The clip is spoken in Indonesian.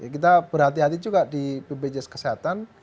kita berhati hati juga di bpjs kesehatan